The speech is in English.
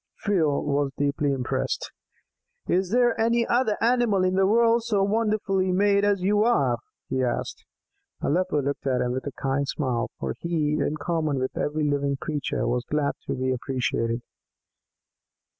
Phil was deeply impressed. "Is there any other animal in the world so wonderfully made as you are?" he asked. Aleppo looked at him with a kind smile, for he, in common with every living creature, was glad to be appreciated.